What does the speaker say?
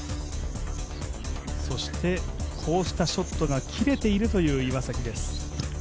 そしてこうしたショットが切れているという岩崎です。